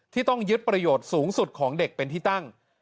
ที่ต้องยึดประโยชน์สูงสุดของเด็กเป็นที่ตั้ง